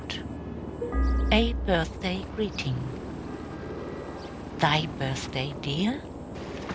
A BIRTHDAY GREETING. Thy birthday, dear?